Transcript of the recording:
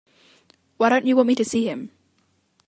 Why don't you want me to see him?